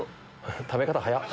食べ方早っ！